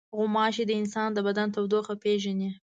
غوماشې د انسان د بدن تودوخه پېژني.